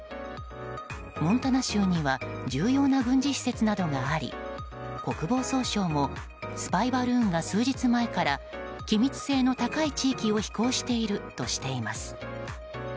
モンタナ州には重要な軍事施設などがあり国防総省もスパイバルーンが数日前から機密性の高い地域を飛行しているとしています。